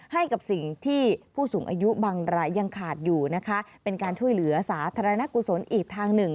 ให้กับสิ่งที่ผู้สูงอายุบางรายยังขาดอยู่นะคะเป็นการช่วยเหลือสาธารณกุศลอีกทางหนึ่ง